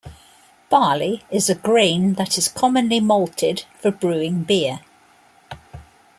Barley is a grain that is commonly malted for brewing beer.